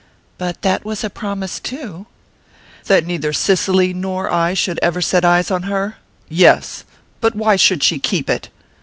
"But that was a promise too." "That neither Cicely nor I should ever set eyes on her? Yes. But why should she keep it?